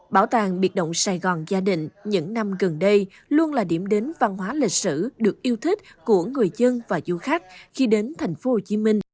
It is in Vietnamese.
bảo tàng biệt động sài gòn gia định những năm gần đây luôn là điểm đến văn hóa lịch sử được yêu thích của người dân và du khách khi đến thành phố hồ chí minh